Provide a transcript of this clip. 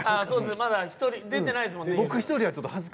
まだ１人出てないですもんね。